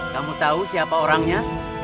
kamu tau siapa orangnya